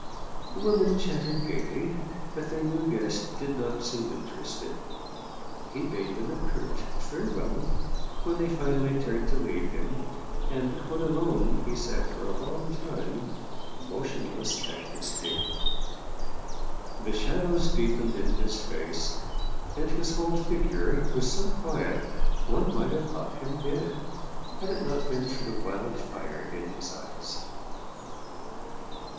The women chattered gayly, but their new guest did not seem interested. He bade them a curt farewell when they finally turned to leave him, and when alone he sat for a long time motionless at his table. The shadows deepened in his face, and his whole figure was so quiet one might have thought him dead, had it not been for the wild fire in his eyes.